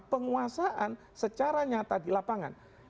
penguasaan secara nyata di lapangan